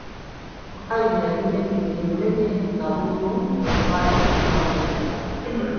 Wakayima yalina ennimiro ennene nga mulimu enva endiirwa n'ebibala.